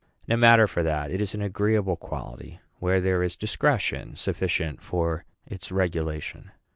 No matter for that; it is an agreeable quality, where there is discretion sufficient for its regulation.